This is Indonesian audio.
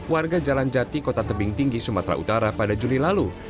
warga jalan jati kota tebing tinggi sumatera utara pada juli lalu